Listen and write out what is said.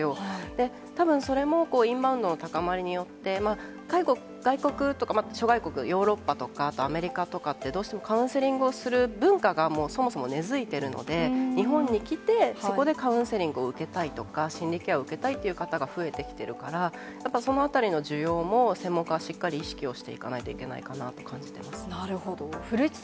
で、たぶん、それもインバウンドの高まりによって、外国とか、諸外国、ヨーロッパとか、あとアメリカとかって、どうしてもカウンセリングをする文化がそもそも根づいてるので、日本に来て、そこでカウンセリングを受けたいとか、心理ケアを受けたいって方が増えてきてるから、やっぱりそのあたりの需要も、専門家はしっかり意識をしていかないといけないかななるほど。